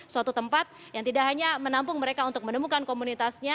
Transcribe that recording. suatu tempat yang tidak hanya menampung mereka untuk menemukan komunitasnya